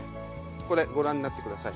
これご覧になってください。